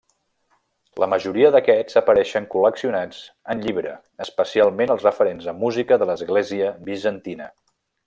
La majoria d'aquests apareixen col·leccionats en llibre, especialment els referents a música de l'església bizantina.